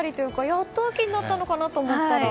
やっと秋になったのかなと思ったら。